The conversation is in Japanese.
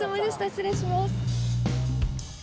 失礼します。